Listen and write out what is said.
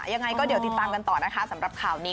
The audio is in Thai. ยังไงก็เดี๋ยวติดตามกันต่อนะคะสำหรับข่าวนี้